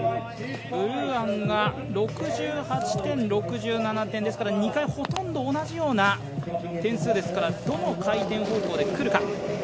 ブルーアンが６８点、６７点ですからですから２回ほとんど同じような点数ですからどの回転方法でくるか。